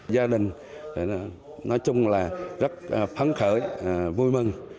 gia đình nói chung là rất phấn khởi vui mừng